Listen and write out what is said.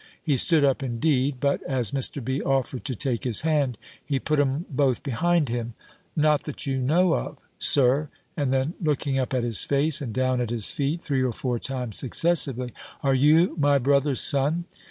He stood up indeed; but as Mr. B. offered to take his hand, he put 'em both behind him. "Not that you know of. Sir!" And then looking up at his face, and down at his feet, three or four times successively, "Are you my brother's son?